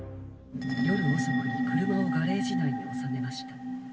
夜遅くに車をガレージ内に収めました。